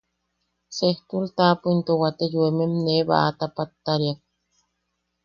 Sejtul taʼapo into waate yoemem nee baʼata pattariak,.